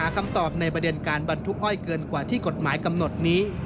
คำตอบในประเด็นการบรรทุกอ้อยเกินกว่าที่กฎหมายกำหนดนี้